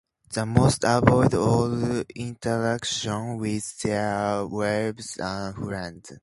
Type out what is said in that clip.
They must avoid all interaction with their wives and friends.